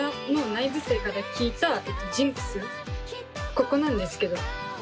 ここなんですけど。